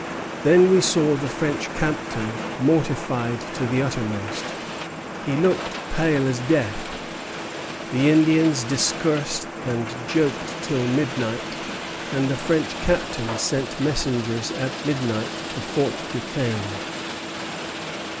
Then we saw the French captain mortified to the uttermost. He looked as pale as death. The Indians discoursed and joked till midnight, and the French captain sent messengers at midnight to Fort Duquesne."